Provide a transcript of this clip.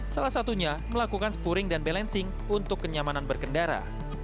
salah satunya melakukan spuring dan balancing untuk kenyamanan berkendara